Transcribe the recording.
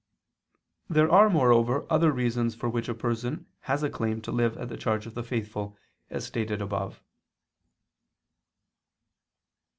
There are moreover other reasons for which a person has a claim to live at the charge of the faithful, as stated above.